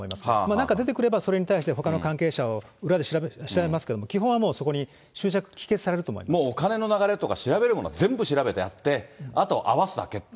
なんか出てくれば、それに対してほかの関係者を裏で調べますけど、基本はもうそこに集約、もうお金の流れとか調べるものは全部調べて、あとは合わせるだけ。